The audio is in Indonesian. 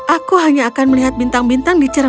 aku hanya akan melihat bintang bintang dicermin